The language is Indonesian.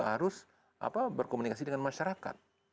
harus berkomunikasi dengan masyarakat